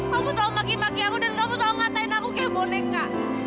kamu tahu maki maki aku dan kamu selalu ngatain aku kayak boneka